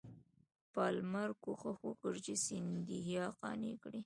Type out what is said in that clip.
پالمر کوښښ وکړ چې سیندهیا قانع کړي.